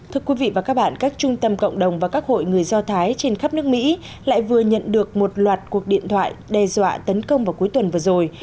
thưa quý vị và các bạn các trung tâm cộng đồng và các hội người do thái trên khắp nước mỹ lại vừa nhận được một loạt cuộc điện thoại đe dọa tấn công vào cuối tuần vừa rồi